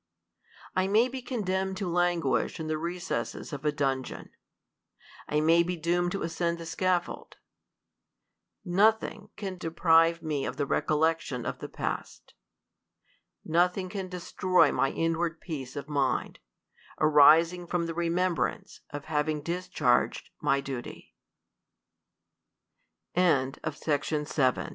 I may be condemned to languish in the recesses of a dungeon. I may be doomed to ascend the scaf fold. Nothing can deprive me of the recollection of the past ; nothing can destroy my inward peace of mind, arising from the remembrance of hav